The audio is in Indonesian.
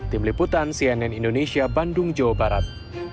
tim liputan cnn indonesia bandung jawa barat